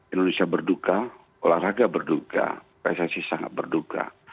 indonesia berduka olahraga berduka pssi sangat berduka